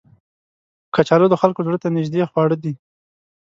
کچالو د خلکو زړه ته نیژدې خواړه دي